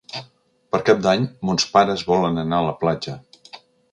Per Cap d'Any mons pares volen anar a la platja.